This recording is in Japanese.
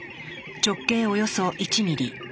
直径およそ１ミリ。